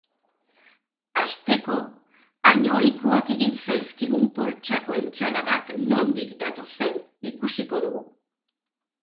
Hasteko, hain ohikoak egin zaizkigun poltsako entsaladak nondik datozen ikusiko dugu.